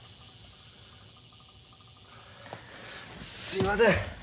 すみません。